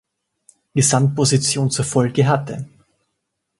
Gesamtposition zur Folge hatte.